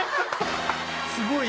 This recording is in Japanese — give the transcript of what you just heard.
すごい。